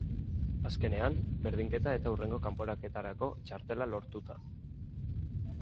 Azkenean, berdinketa eta hurrengo kanporaketarako txartela lortuta.